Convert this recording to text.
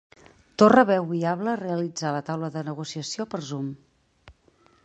Torra veu viable realitzar la taula de negociació per Zoom